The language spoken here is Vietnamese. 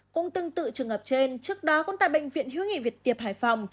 cũng tương tự trường hợp trên trước đó cũng tại bệnh viện hiếu nghị việt tiệp hải phòng